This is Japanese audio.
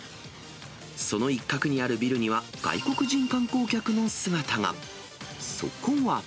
その一角にあるビルには外国人観光客の姿が。